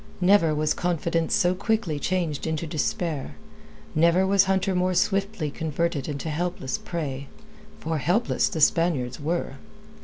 Never was confidence so quickly changed into despair, never was hunter more swiftly converted into helpless prey. For helpless the Spaniards were.